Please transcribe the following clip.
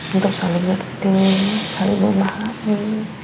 untuk selalu ngerti selalu memahami